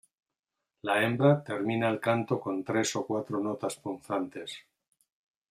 La hembra termina el canto con tres o cuatro notas punzantes.